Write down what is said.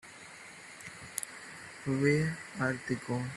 Where are they gone?